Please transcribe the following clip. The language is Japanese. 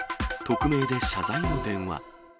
匿名で謝罪の電話。